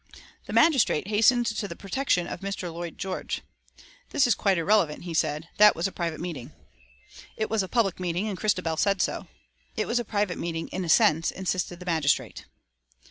The magistrate hastened to the protection of Mr. Lloyd George. "This is quite irrelevant," he said. "That was a private meeting." It was a public meeting, and Christabel said so. "It was a private meeting in a sense," insisted the magistrate.